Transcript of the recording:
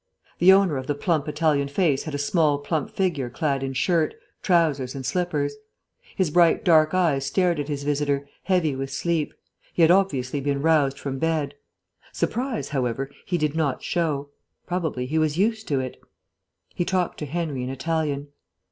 The owner of the plump Italian face had a small plump figure clad in shirt, trousers, and slippers. His bright dark eyes stared at his visitor, heavy with sleep. He had obviously been roused from bed. Surprise, however, he did not show; probably he was used to it. He talked to Henry in Italian.